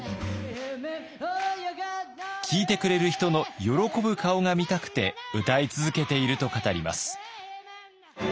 聴いてくれる人の喜ぶ顔が見たくて歌い続けていると語ります。